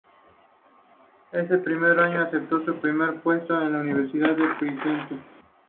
Ese mismo año aceptó su primer puesto en la Universidad de Princeton.